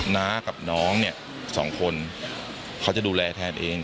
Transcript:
น้ากับน้องเนี่ยสองคนเขาจะดูแลแทนเอง